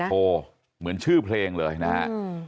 น้ำตาสิบโทเหมือนชื่อเพลงเลยนะฮะ